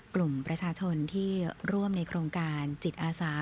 กลุ่มประชาชนที่ร่วมในโครงการจิตอาสา